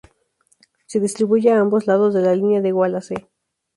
Se distribuye a ambos lados de la línea de Wallace.